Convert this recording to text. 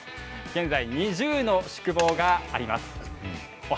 現在２０の宿坊があります。